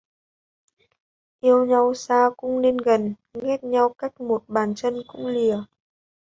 Yêu nhau xa cũng nên gần, ghét nhau cách một bàn chân cũng lìa